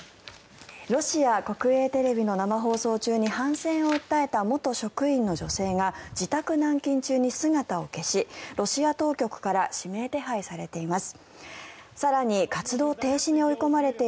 ロシア国営テレビの生放送中に反戦を訴えた元職員の女性が自宅軟禁中に姿を消しロシア当局から指名手配されています。